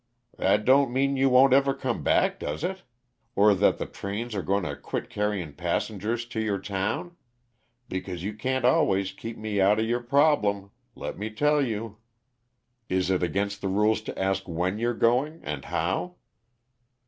"That don't mean you won't ever come back, does it? Or that the trains are going to quit carrying passengers to your town? Because you can't always keep me outa your 'problem,' let me tell you. Is it against the rules to ask when you're going and how?"